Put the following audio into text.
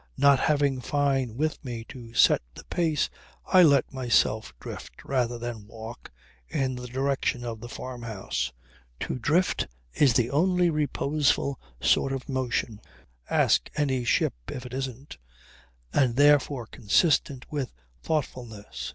Not having Fyne with me to set the pace I let myself drift, rather than walk, in the direction of the farmhouse. To drift is the only reposeful sort of motion (ask any ship if it isn't) and therefore consistent with thoughtfulness.